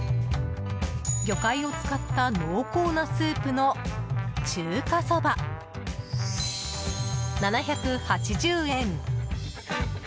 魚介を使った濃厚なスープの中華そば、７８０円。